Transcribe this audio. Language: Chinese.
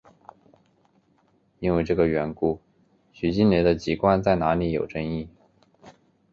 因为这个缘故徐静蕾的籍贯在哪里有争议。